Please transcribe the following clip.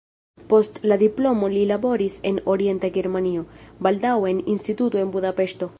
Post la diplomo li laboris en Orienta Germanio, baldaŭe en instituto en Budapeŝto.